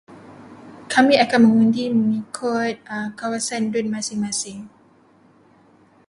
Kami akan mengundi mengikut kawasan dun masing-masing.